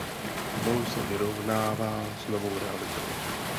Pomalu se vyrovnává s novou realitou.